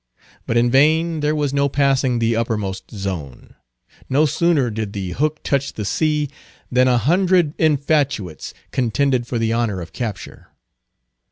But in vain; there was no passing the uppermost zone. No sooner did the hook touch the sea, than a hundred infatuates contended for the honor of capture.